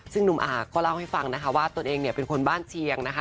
ซึ่งหนุ่มอาก็เล่าให้ฟังนะคะว่าตนเองเนี่ยเป็นคนบ้านเชียงนะคะ